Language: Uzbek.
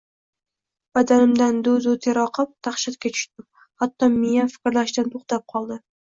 Badanimdan duv-duv ter oqib, dahshatga tushdim, hatto miyam fikrlashdan to`xtab qoldi